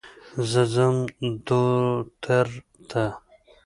زه ځم دوتر ته.